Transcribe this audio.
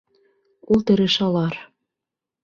Ултырышалар.